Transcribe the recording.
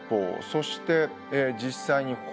そして実際に方角